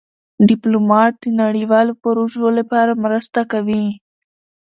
ډيپلومات د نړیوالو پروژو لپاره مرسته کوي.